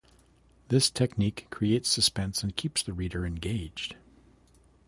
This technique creates suspense and keeps the reader engaged.